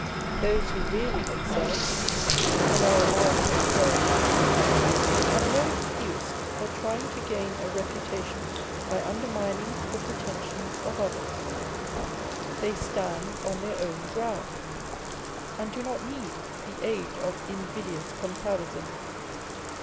Those who really excel and are allowed to excel in anything have no excuse for trying to gain a reputation by undermining the pretensions of others ; they stand on their own groxind, and do not need the aid of invidious comparisons.